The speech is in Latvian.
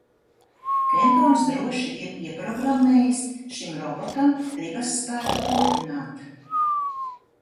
Kentons droši ir ieprogrammējis šim robotam gribasspēku turpināt!